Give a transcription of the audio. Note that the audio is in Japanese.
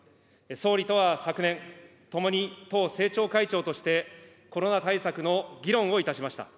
総理とは昨年、ともに党政調会長としてコロナ対策の議論をいたしました。